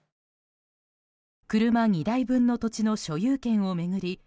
車２台分の土地の所有権を巡り